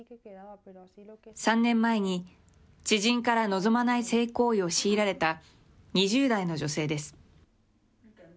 ３年前に、知人から望まない性行為を強いられた、２０代の女性です。